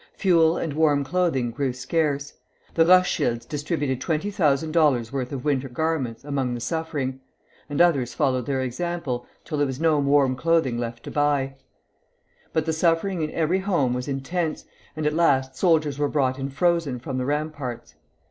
Fuel and warm clothing grew scarce. The Rothschilds distributed $20,000 worth of winter garments among the suffering; and others followed their example, till there was no warm clothing left to buy; but the suffering in every home was intense, and at last soldiers were brought in frozen from the ramparts.